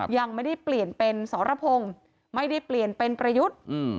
ยังไม่ได้เปลี่ยนเป็นสรพงศ์ไม่ได้เปลี่ยนเป็นประยุทธ์